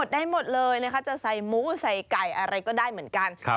ได้หมดเลยจะใส่หมูใส่ไก่อ่ะเลยแบบนี้ด้วย